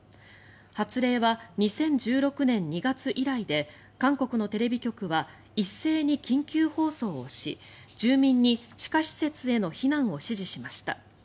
発令は２０１６年２月以来で韓国のテレビ局は一斉に緊急放送をし住民に地下施設への避難を指示しました。